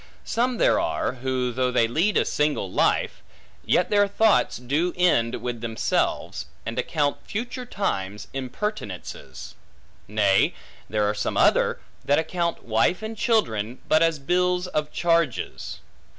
Some there are, who though they lead a single life, yet their thoughts do end with themselves, and account future times impertinences. Nay, there are some other, that account wife and children, but as bills of charges.